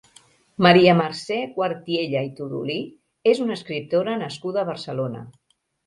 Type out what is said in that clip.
Maria Mercè Cuartiella i Todolí és una escriptora nascuda a Barcelona.